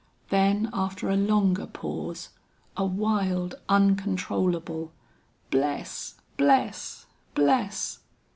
Then after a longer pause, a wild uncontrollable; "Bless! bless! bless!"